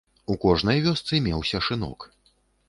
У кожнай вёсцы меўся шынок.